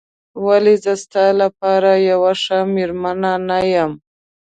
ولې زه ستا لپاره یوه ښه مېرمن نه یم؟